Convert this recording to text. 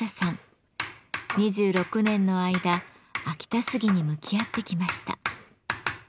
２６年の間秋田杉に向き合ってきました。